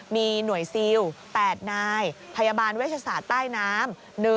มีหน่วยซิล๘นายพยาบาลเวชศาสตร์ใต้น้ำ